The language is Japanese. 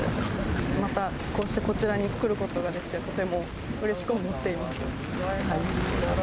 またこうしてこちらに来ることができて、とてもうれしく思っています。